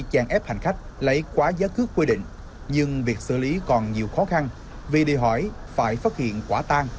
chèn ép hành khách lấy quá giá cước quy định nhưng việc xử lý còn nhiều khó khăn vì đề hỏi phải phát hiện quả tan